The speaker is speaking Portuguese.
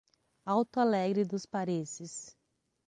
Alto Alegre dos Parecis